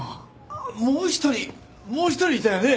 もう一人もう一人いたよね？